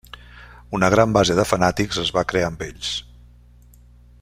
Una gran base de fanàtics es va crear amb ells.